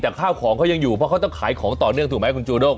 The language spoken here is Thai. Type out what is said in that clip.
แต่ข้าวของเขายังอยู่เพราะเขาต้องขายของต่อเนื่องถูกไหมคุณจูด้ง